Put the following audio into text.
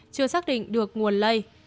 chưa xác định được nguồn lầy